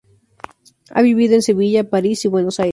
Ha vivido en Sevilla, París y Buenos Aires.